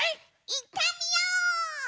いってみよう！